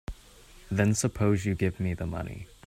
Then suppose you give me the money.